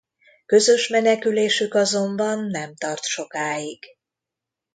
Közös menekülésük azonban nem tart sokáig.